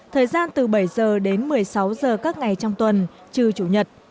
thời gian từ bảy giờ đến một mươi sáu giờ các ngày trong tuần trừ chủ nhật